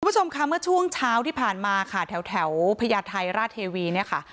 คุณผู้ชมค่ะเมื่อช่วงเช้าที่ผ่านมาค่ะแถวพญาไทยราชเทวีเนี่ยค่ะ